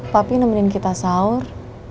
papi nemenin kita sahur